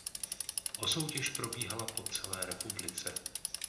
O soutěž probíhala po celé republice.